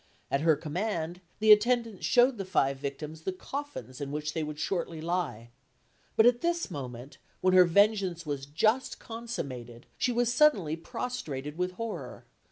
At her command, the attendants showed the five victims the coffins in which they would shortly lie; but at this moment, when her vengeance was just consummated, she was suddenly prostrated with horror.